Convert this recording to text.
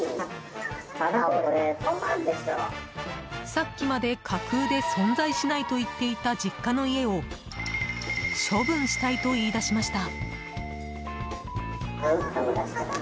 さっきまで架空で存在しないと言っていた実家の家を処分したいと言い出しました。